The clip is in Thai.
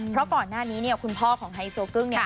เพราะก่อนหน้านี้เนี่ยคุณพ่อของไฮโซกึ้งเนี่ย